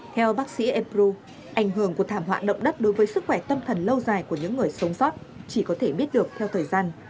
theo bác sĩ emrou ảnh hưởng của thảm họa động đất đối với sức khỏe tâm thần lâu dài của những người sống sót chỉ có thể biết được theo thời gian